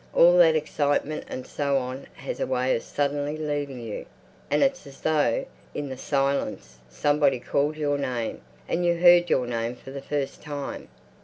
All that excitement and so on has a way of suddenly leaving you, and it's as though, in the silence, somebody called your name, and you heard your name for the first time.